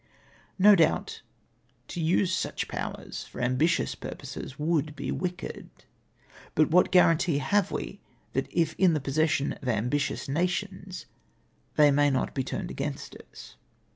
No doubt to use such powers for ambitious pur poses would be wicked ; but what guararitee have we that if in the possession of aml^itious nations, they may not be turned against us.